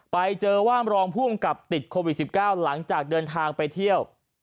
ไปเจอว่ารองผู้กำกับติดโควิด๑๙หลังจากเดินทางไปเที่ยว